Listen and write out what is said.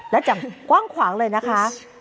และอย่างกว้างขวางเลยนะคะ